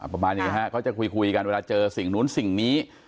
ประมาณอย่างนี้ฮะเขาจะคุยกันเวลาเจอสิ่งนู้นสิ่งนี้